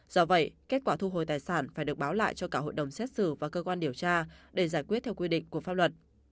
do vậy kết quả thu hồi tài sản phải được báo lại cho cả hội đồng xét xử và cơ quan điều tra để giải quyết theo quy định của pháp luật